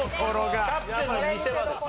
キャプテンの見せ場です。